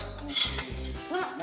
tuh bawa ke situ